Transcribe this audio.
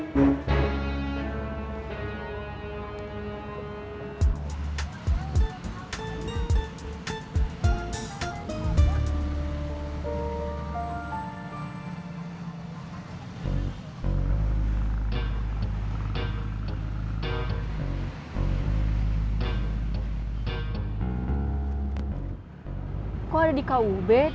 kok ada di kub